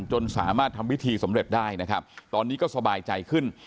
จนสามารถทำพิธีสำเร็จได้นะครับตอนนี้ก็สบายใจขึ้น